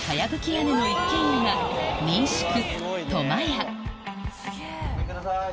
屋根の一軒家が民宿ごめんください。